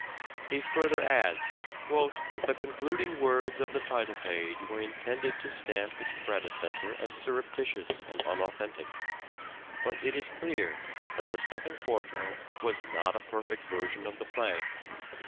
He further adds :" The concluding words of the title page were intended to stamp its predecessor as surreptitious and unauthentic. But it is clear that the Second Quarto was not a perfect version of the play.